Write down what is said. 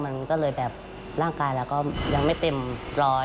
มันก็เลยแบบร่างกายเราก็ยังไม่เต็มร้อย